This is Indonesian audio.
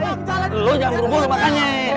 jangan berunggul makannya